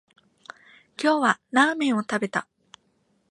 今日はラーメンを食べた